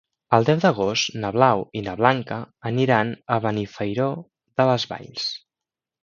El deu d'agost na Blau i na Blanca aniran a Benifairó de les Valls.